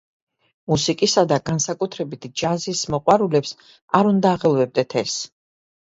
მუსიკისა და განსაკუთრებით ჯაზის მოყვარულებს არ უნდა აღელვებდეთ ეს.